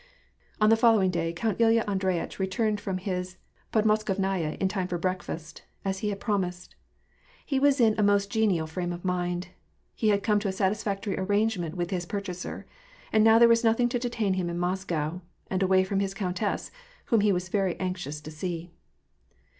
On the following day Count Ilya Andreyitch returned from his podmoskovnaya in time for breakfast, as he had promised. lie was in a most genial fmme of mind. He had come to a satisfactory arrangement with his purchaser, and now there was nothing to detjiin him in Moscow, and away from his countess, whom he was very anxious to see.